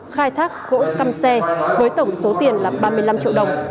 khai thác gỗ cam xe với tổng số tiền là ba mươi năm triệu đồng